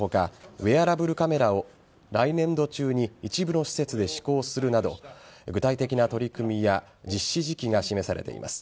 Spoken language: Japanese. ウェアラブルカメラを来年度中に一部の施設で試行するなど具体的な取り組みや実施時期が示されています。